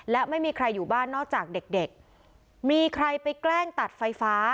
และไม่มีใครอยู่บ้านนอกจากเด็กเด็กมีใครไปแกล้งตัดไฟฟ้า